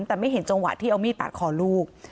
แต่ไม่เห็นจังหวะที่เอามีดปาดคอลูก